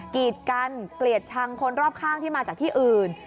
กีดกันเกลียดชังคนรอบข้างที่มาจากที่อื่น